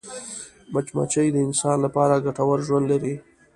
مچمچۍ د انسان لپاره ګټور ژوند لري